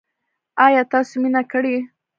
ایا تاسو مینه کړې؟